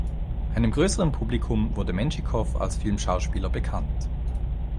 Einem größeren Publikum wurde Menschikow als Filmschauspieler bekannt.